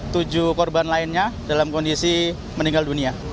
tujuh korban lainnya dalam kondisi meninggal dunia